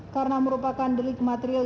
karena merupakan delik material